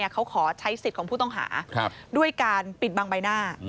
เขาขอใช้สิทธิ์ของผู้ต้องหาด้วยการปิดบังใบหน้า